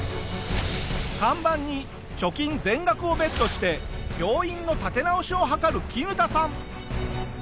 看板に貯金全額をベットして病院の立て直しをはかるキヌタさん。